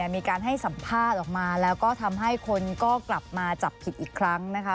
มีการให้สัมภาษณ์ออกมาแล้วก็ทำให้คนก็กลับมาจับผิดอีกครั้งนะคะ